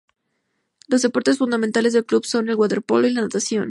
Los deportes fundamentales del club son el waterpolo y la natación.